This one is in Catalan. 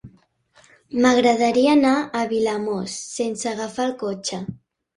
M'agradaria anar a Vilamòs sense agafar el cotxe.